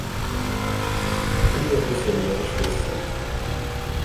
Pilvo pusė lieka šviesi.